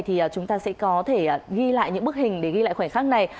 thì chúng ta sẽ có thể ghi lại những bức hình để ghi lại khoảnh khắc này